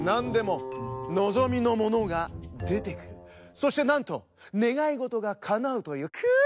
そしてなんとねがいごとがかなうというくう！